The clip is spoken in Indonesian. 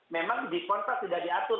memang di kontras tidak diatur